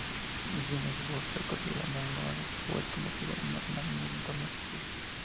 Guinness World Records galardonó a "Fuel" como juego con el mayor entorno accesible.